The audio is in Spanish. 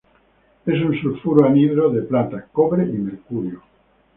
Es un sulfuro anhidro de plata, cobre y mercurio.